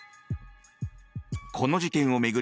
この事件を巡り